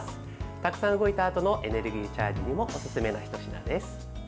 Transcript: たくさん動いたあとのエネルギーチャージにもおすすめな、ひと品です。